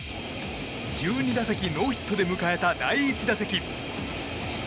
１２打席ノーヒットで迎えた第１打席。